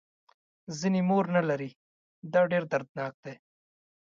ځینې مور نه لري دا ډېر دردناک دی.